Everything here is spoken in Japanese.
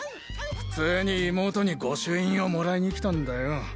普通に妹に御朱印をもらいに来たんだよ。